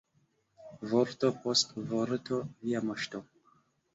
Vorto post vorto, Via moŝto!